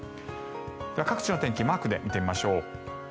各地の天気をマークで見てみましょう。